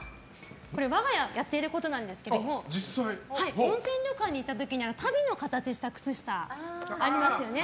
これ、我が家がやってることなんですけど温泉旅館に行った時にたびの形をした靴下ありますよね。